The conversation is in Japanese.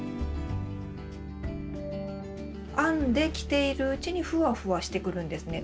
編んで着ているうちにふわふわしてくるんですね。